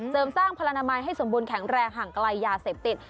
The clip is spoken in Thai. เสริมสร้างพลันมาให้สมบูรณ์แข็งแรงห่างไกลยาเสพติด